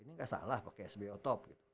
ini gak salah pakai sbo top